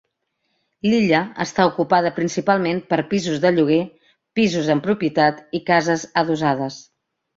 L'illa està ocupada principalment per pisos de lloguer, pisos en propietat i cases adossades.